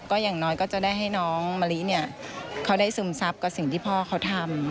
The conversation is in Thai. ก็อย่างน้อยก็จะได้ให้น้องมะลิเนี่ยเขาได้ซึมซับกับสิ่งที่พ่อเขาทำ